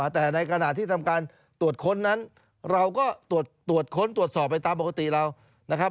แต่ในขณะที่ทำการตรวจค้นนั้นเราก็ตรวจค้นตรวจสอบไปตามปกติเรานะครับ